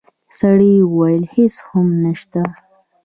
سړی وویل: هیڅ هم نشته.